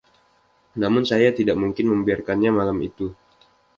Namun saya tidak mungkin membiarkannya malam itu.